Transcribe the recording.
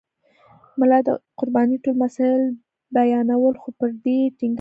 ملا د قربانۍ ټول مسایل بیانول خو پر دې یې ټینګار کاوه.